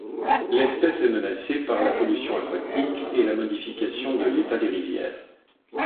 L'espèce est menacée par la pollution aquatique et la modification de l'état des rivières.